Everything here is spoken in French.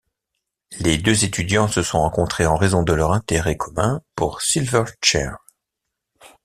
Les deux étudiants se sont rencontrés en raison de leur intérêt commun pour Silverchair.